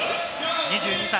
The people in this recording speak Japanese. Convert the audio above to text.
２２歳。